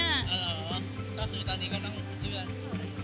อ๋อหรอตอนนี้ก็ซื้อตั๋วไว้สิ้นเดือน